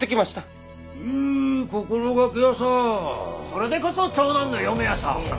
それでこそ長男の嫁ヤサ。